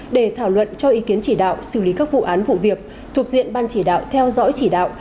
để thảo luận cho ý kiến chỉ đạo xử lý các vụ án vụ việc thuộc diện ban chỉ đạo theo dõi chỉ đạo